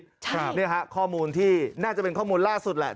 วินาทีชีวิตนี่ค่ะข้อมูลที่น่าจะเป็นข้อมูลล่าสุดแหละ